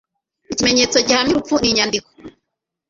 ikimenyetso gihamya urupfu ni inyandiko